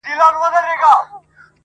موږ به کله تر منزل پوري رسیږو٫